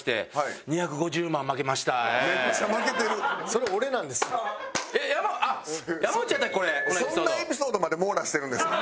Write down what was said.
そんなエピソードまで網羅してるんですか？